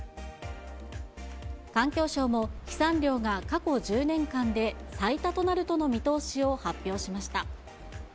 環境省も、飛散量が過去１０年間で最多となるとの見通しを発表しました。